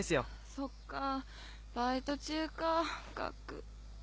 そっかバイト中かガック。